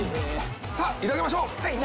さあいただきましょう。